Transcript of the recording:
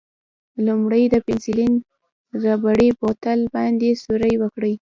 لومړی د پنسیلین ربړي بوتل باندې سوری وکړئ.